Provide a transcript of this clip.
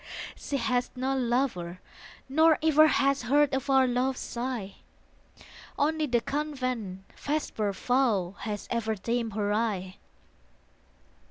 She has no lover, nor ever Has heard afar love's sigh. Only the convent's vesper vow Has ever dimmed her eye.